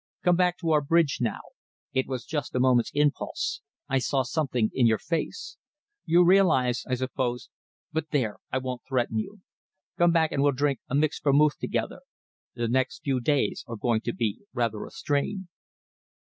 Come back to our bridge now. It was just a moment's impulse I saw something in your face. You realise, I suppose but there, I won't threaten you. Come back and we'll drink a mixed vermouth together. The next few days are going to be rather a strain."